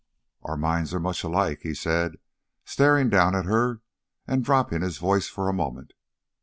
"Our minds are much alike," he said, staring down at her and dropping his voice for a moment.